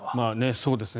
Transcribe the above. そうですね。